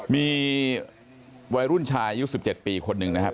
มีวัยรุ่นชายอายุ๑๗ปีคนหนึ่งนะครับ